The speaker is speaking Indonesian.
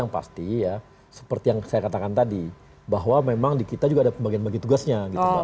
pasti ya seperti yang saya katakan tadi bahwa memang di kita juga ada pembagian bagi tugasnya